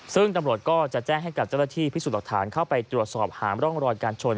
ซึ่งตำรวจก็จะแจ้งให้กับเจ้าหน้าที่พิสูจน์หลักฐานเข้าไปตรวจสอบหาร่องรอยการชน